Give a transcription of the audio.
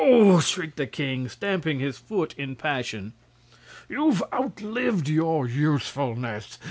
shrieked the king, stamping his foot in passion. "You've outlived your usefulness!